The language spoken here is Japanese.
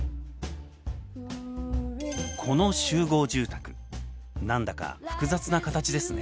この集合住宅何だか複雑な形ですね。